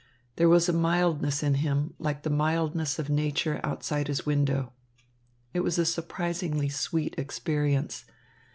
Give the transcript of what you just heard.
There was a mildness in him like the mildness of nature outside his window. It was a surprisingly sweet experience.